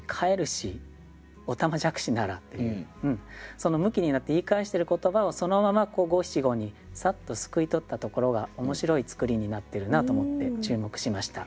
そのムキになって言い返してる言葉をそのまま五七五にサッとすくい取ったところが面白い作りになってるなと思って注目しました。